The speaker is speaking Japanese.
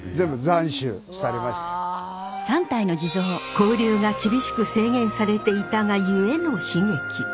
交流が厳しく制限されていたがゆえの悲劇。